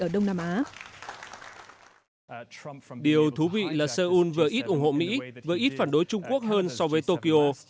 điều thú vị là seoul vừa ít ủng hộ mỹ vừa ít phản đối trung quốc hơn so với tokyo